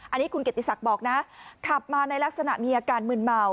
อันนี้คุณเกียรติศักดิ์บอกนะขับมาในลักษณะมีอาการมืนเมา